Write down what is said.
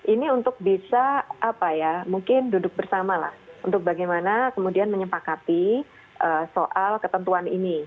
ini untuk bisa apa ya mungkin duduk bersama lah untuk bagaimana kemudian menyepakati soal ketentuan ini